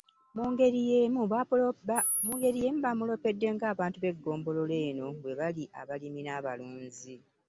Mu ngeri y'emu bamuloopedde ng'abantu b'eggombolola eno bwe bali abalimi n'abalunzi